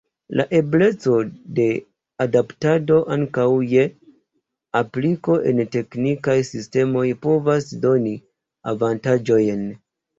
La ebleco de adaptado ankaŭ je apliko en teknikaj sistemoj povas doni avantaĝojn.